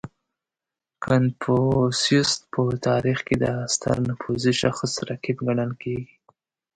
• کنفوسیوس په تاریخ کې د ستر نفوذي شخص رقیب ګڼل کېږي.